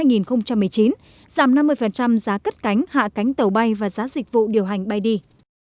giảm năm mươi giá cất cánh hạ cánh tàu bay và giá dịch vụ điều hành bay đi